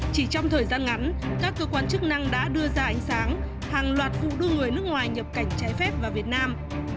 chỉ trong thời gian ngắn các cơ quan chức năng đã đưa ra ánh sáng hàng loạt vụ đưa người nước ngoài nhập cảnh trái phép vào việt nam